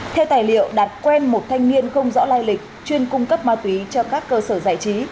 theo tài liệu đạt quen một thanh niên không rõ lai lịch chuyên cung cấp ma túy cho các cơ sở giải trí